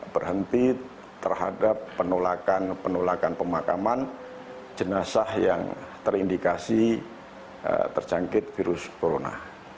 berhenti terhadap penolakan penolakan pemakaman jenazah yang terindikasi terjangkit virus corona